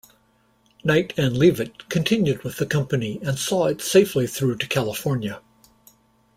Knight and Leavitt continued with the company and saw it safely through to California.